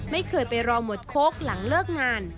ไม่เคยไปรอหมวดโค้กหลังเลิกงาน